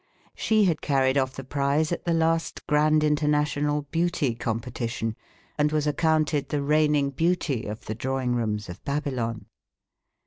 She had carried off the prize at the last grand international beauty competition, and was accounted the reigning beauty of the drawing rooms of Babylon.